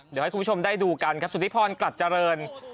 เดี๋ยวให้คุณผู้ชมได้ดูกันครับสุธิพรกลัดเจริญ